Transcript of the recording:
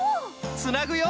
つなぐよ！